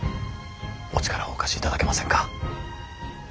お力をお貸しいただけませんか。